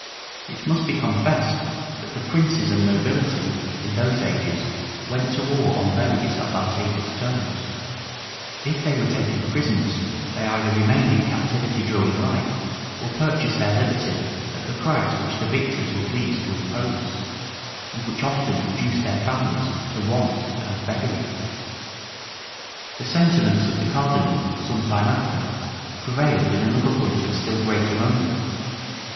It must be confessed, that the princes and nobility, in those ages, went to war on very disadvantageous terms. If they were taken prisoners, they either remained in captivity during life, or purchased their liberty at the price which the victors were pleased to impose, and which often reduced their families to want and beggary. * Grafton, p. 578. {1443.} The sentiments of the cardinal, some time after, prevailed in another point of still greater moment.